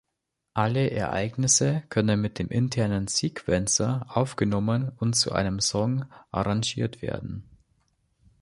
Alle Ereignisse können mit dem internen Sequenzer aufgenommen und zu einem Song arrangiert werden.